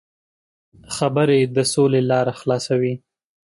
خبرې د سولې لاره خلاصوي.